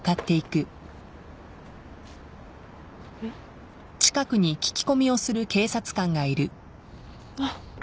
えっ？あっ。